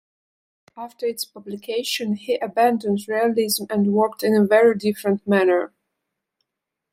After its publication, he abandoned realism and worked in a very different manner.